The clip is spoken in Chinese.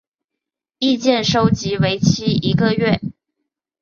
意见收集为期一个月。